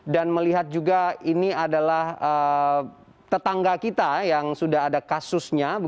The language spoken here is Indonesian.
dan melihat juga ini adalah tetangga kita yang sudah ada kasusnya